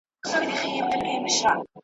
چي اسلام وي د طلا بلا نیولی `